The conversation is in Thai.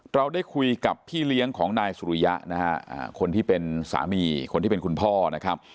เราได้คุยกับพี่เลี้ยงของนายสุริยะนะฮะคนที่เป็นสามีคนที่เป็นคุณพ่อนะครับ